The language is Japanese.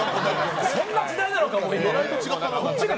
そんな時代なのか、今は！